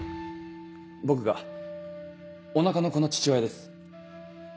僕がお腹の子の父親です。